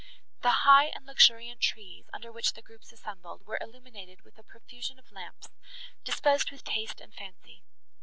The high and luxuriant trees, under which the groups assembled, were illuminated with a profusion of lamps, disposed with taste and fancy.